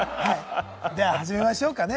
始めましょうかね。